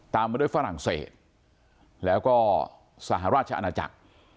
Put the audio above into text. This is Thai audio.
ตามมาด้วยฝรแล้วก็สหราชอาณาจักร